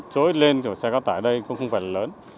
trối lên của xe quá tải ở đây cũng không phải là lớn